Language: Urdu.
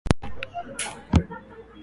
جو مزہ جوہر نہیں آئینۂ تعبیر کا